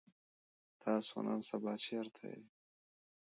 تاسو نن سبا چرته يئ؟